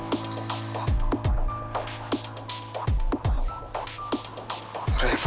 gue jadi bisa tau kira kira gimana